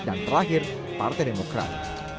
dan terakhir partai demokrat